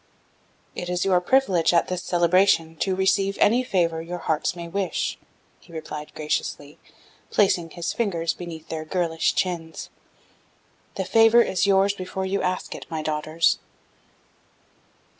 "'It is your privilege at this celebration to receive any favor your hearts may wish,' he replied graciously, placing his fingers beneath their girlish chins. 'The favor is yours before you ask it, my daughters.'